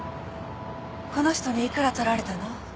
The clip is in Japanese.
この人にいくらとられたの？